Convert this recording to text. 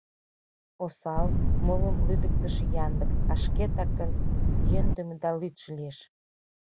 Осал, молым лӱдыктышӧ янлык, а шкетак гын йӧндымӧ да лӱдшӧ лиеш.